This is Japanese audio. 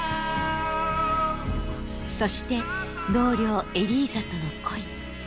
そして同僚エリーザとの恋。